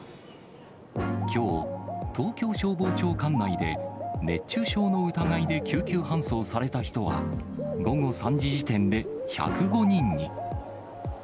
きょう、東京消防庁管内で熱中症の疑いで救急搬送された人は、午後３時時点で１０５人に。